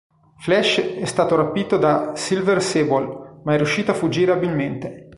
Flash è stato rapito da Silver Sable ma è riuscito a fuggire abilmente.